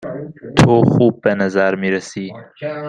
تو خوب به نظر می رسی.